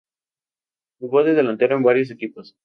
Jugó de delantero en varios equipos.